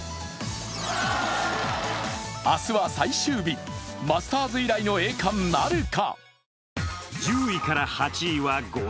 明日は最終日、マスターズ以来の栄冠なるか。